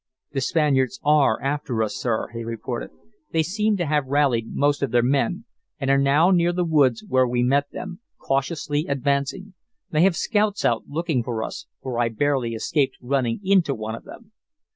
"The Spaniards are after us, sir," he reported. "They seem to have rallied most of their men, and are now near the woods where we met them, cautiously advancing. They have scouts out looking for us, for I barely escaped running into one of them."